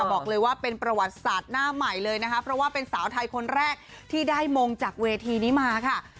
บอกเลยว่าเป็นประวัติศาสตร์หน้าใหม่เลยนะคะเพราะว่าเป็นสาวไทยคนแรกที่ได้มงจากเวทีนี้มาค่ะ